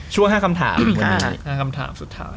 ช่วง๕คำถามสุดท้าย